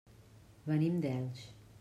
Venim d'Elx.